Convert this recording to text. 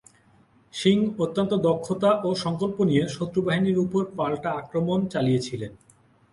সিং অত্যন্ত দক্ষতা ও সংকল্প নিয়ে শত্রু বাহিনীর উপর পাল্টা আক্রমণ চালিয়েছিলেন।